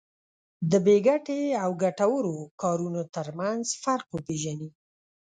د بې ګټې او ګټورو کارونو ترمنځ فرق وپېژني.